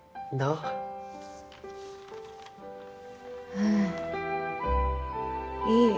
うんいい。